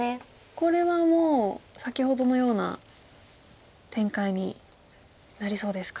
これはもう先ほどのような展開になりそうですか。